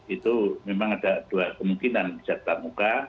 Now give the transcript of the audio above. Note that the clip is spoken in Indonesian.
itu memang ada dua kemungkinan bisa tetap muka